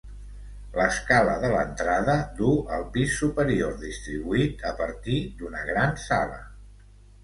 L'escala de l'entrada duu al pis superior distribuït a partir d'una gran sala.